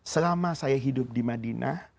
selama saya hidup di madinah